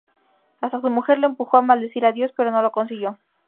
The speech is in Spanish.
Hasta su mujer le empujó a maldecir a Dios, pero no lo consiguió.